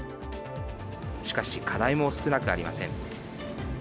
しかし、課題も少なくありません。